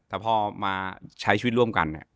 แต่พอมาใช้ชีวิตร่วมกัน